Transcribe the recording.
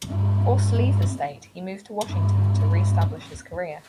Forced to leave the state, he moved to Washington to re-establish his career.